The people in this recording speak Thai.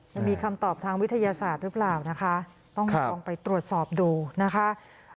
มันมีคำตอบทางวิทยาศาสตร์หรือเปล่านะคะต้องลองไปตรวจสอบดูนะคะ